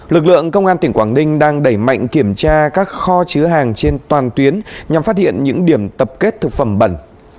lực lượng công an tỉnh quảng ninh đang đẩy mạnh kiểm tra các kho chứa hàng trên toàn tuyến nhằm phát hiện những điểm tập kết thực phẩm bẩn